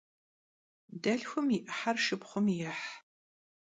Delhxum yi 'ıher şşıpxhum yêh.